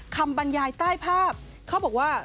บรรยายใต้ภาพเขาบอกว่า